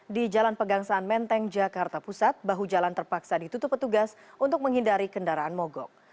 di jalan pegangsaan menteng jakarta pusat bahu jalan terpaksa ditutup petugas untuk menghindari kendaraan mogok